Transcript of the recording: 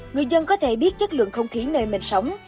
người dân có thể biết chất lượng không khí nơi mình sống